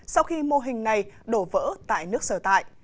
sau khi mô hình này đổ vỡ tại nước sở tại